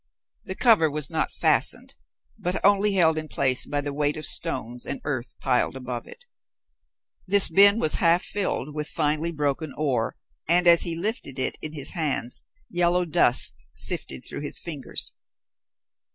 The cover was not fastened, but only held in place by the weight of stones and earth piled above it. This bin was half filled with finely broken ore, and as he lifted it in his hands yellow dust sifted through his fingers.